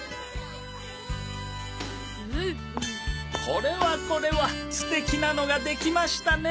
これはこれは素敵なのができましたね。